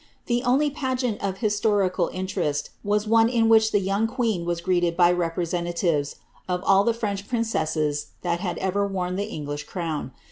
The only pageant of historical interest was one in which the young queen was greeted by representatives of all the French princesses that had ever worn the English crown.